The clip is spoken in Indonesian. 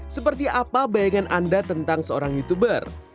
seperti apa bayangan anda tentang seorang youtuber